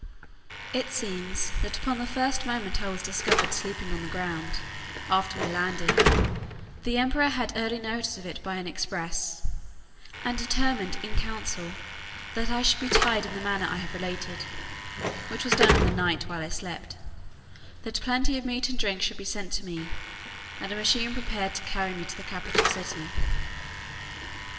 It seems, that upon the first moment I was discovered sleeping on the ground, after my landing, the emperor had early notice of it by an express; and determined in council, that I should be tied in the manner I have related, (which was done in the night while I slept;) that plenty of meat and drink should be sent to me, and a machine prepared to carry me to the capital city.